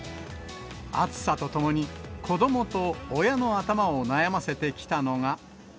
暑さとともに、子どもと親の頭を悩ませてきたのが。